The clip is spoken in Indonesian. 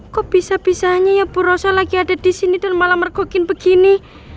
kok bisa bisanya ya bu rosa lagi ada di sini dan malah mergokin begini